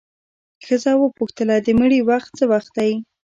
ښځه وپوښتله د مړي وخت څه وخت دی؟